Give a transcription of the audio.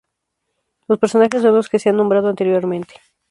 Los personajes son los que se han nombrado anteriormente.